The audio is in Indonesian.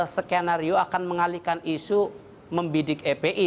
saya pikir ada skenario akan mengalihkan isu membidik epi